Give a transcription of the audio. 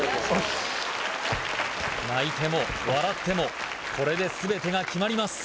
泣いても笑ってもこれで全てが決まります